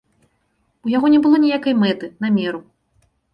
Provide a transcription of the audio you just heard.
У яго не было ніякай мэты, намеру.